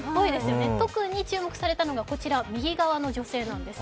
特に注目されたのは右側の女性なんです。